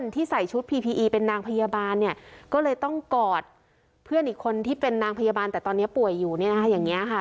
ที่เป็นนางพยาบาลแต่ตอนนี้ป่วยอยู่เนี่ยนะคะอย่างเงี้ยค่ะ